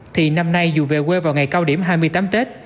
thì năm nay dù về quê vào ngày cao điểm hai mươi tám tết